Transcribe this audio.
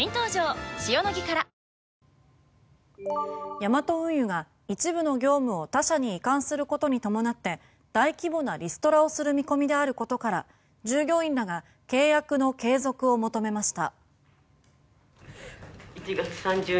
ヤマト運輸が一部の業務を他社に移管することに伴って大規模なリストラをする見込みであることから従業員らが契約の継続を求めました。